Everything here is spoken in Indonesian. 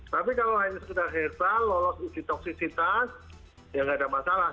tapi kalau hanya sekedar herbal lolos uji toksisitas ya nggak ada masalah